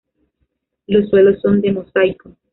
Los suelos son de mosaico.